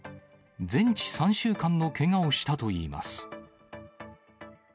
全治３週間のけがをしたといいます。